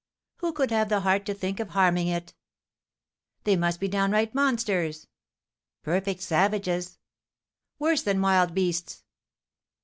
"Who could have the heart to think of harming it?" "They must be downright monsters!" "Perfect savages!" "Worse than wild beasts!"